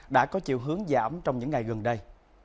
đã có chiều hướng giảm trong những ngày gần đây